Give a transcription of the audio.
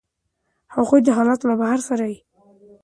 هغوی حالات له بهر څاري.